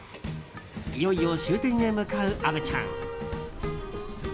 いよいよ終点へ向かう虻ちゃん。